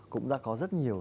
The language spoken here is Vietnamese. cũng đã có rất nhiều